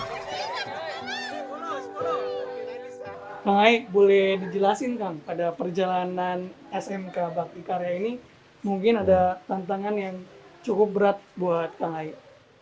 aik boleh dijelasin kan pada perjalanan smk bakti karya ini mungkin ada tantangan yang cukup berat buat aik